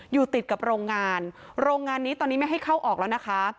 อยู่ติดกับโรงงานโรงงานนี้ตอนนี้ไม่ให้เข้าออกแล้วนะคะ